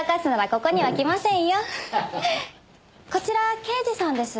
こちら刑事さんです。